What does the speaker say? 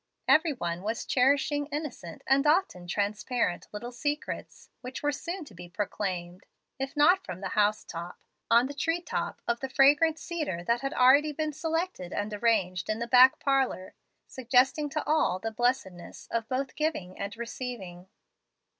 Every one was cherishing innocent, and often transparent, little secrets, which were soon to be proclaimed, if not on the "house top," on the tree top of the fragrant cedar that had already been selected and arranged in the back parlor, suggesting to all the blessedness of both giving and receiving.